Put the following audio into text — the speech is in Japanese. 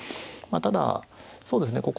ただそうですね